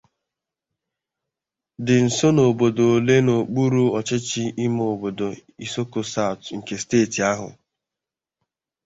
dị nso n'obodo Oleh n'okpuru ọchịchị ime obodo 'Isoko South' nke steeti ahụ.